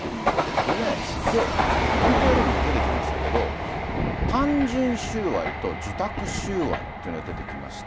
で、ＶＴＲにも出てきましたけれども、単純収賄と受託収賄っていうのが出てきまして。